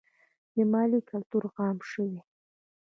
د مالیې کلتور عام شوی؟